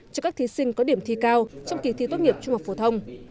cho các thí sinh có điểm thi cao trong kỳ thi tốt nghiệp trung học phổ thông